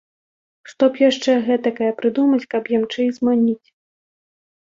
Што б яшчэ гэтакае прыдумаць, каб ямчэй зманіць.